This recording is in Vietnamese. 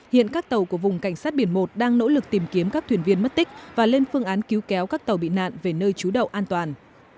hiện các tàu của vùng cảnh sát biển một đang nỗ lực tìm kiếm các thuyền viên mất tích và lên phương án cứu kéo các tàu bị nạn về nơi trú đậu an toàn